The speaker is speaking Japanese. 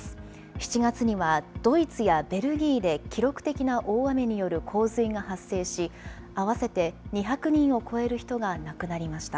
７月にはドイツやベルギーで記録的な大雨による洪水が発生し、合わせて２００人を超える人が亡くなりました。